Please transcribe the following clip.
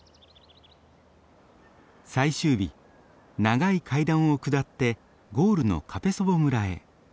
最終日長い階段を下ってゴールのカペソヴォ村へ。